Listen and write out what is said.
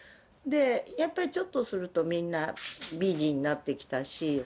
やっぱり、ちょっとすると、みんな、美人になってきたし。